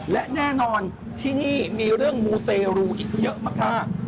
และแน่นอนที่นี่มีเรื่องมูเตรูอีกเยอะมาก